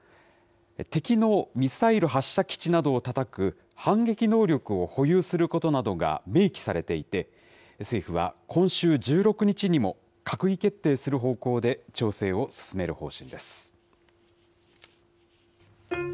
敵のミサイル発射基地などをたたく反撃能力を保有することなどが明記されていて、政府は今週１６日にも閣議決定する方向で調整を進める方針です。